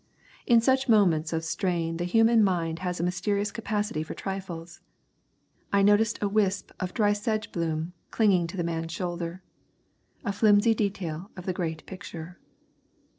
In such moments of strain the human mind has a mysterious capacity for trifles. I noticed a wisp of dry sedge bloom clinging to the man's shoulder, a flimsy detail of the great picture.